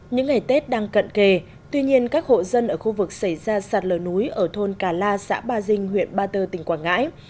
những ngày tết đang cận kề tuy nhiên các hộ dân ở khu vực xảy ra sạt lở núi ở thôn cà la xã ba dinh huyện ba tơ tỉnh quảng ngãi